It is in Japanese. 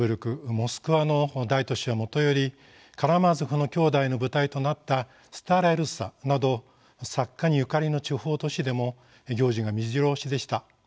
モスクワの大都市はもとより「カラマーゾフの兄弟」の舞台となったスターラヤ・ルッサなど作家にゆかりの地方都市でも行事がめじろ押しでした。